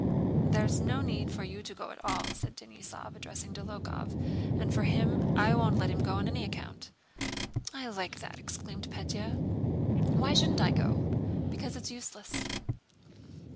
"There's no need for you to go at all," said Denísov, addressing Dólokhov, "and as for him, I won't let him go on any account." "I like that!" exclaimed Pétya. "Why shouldn't I go?" "Because it's useless."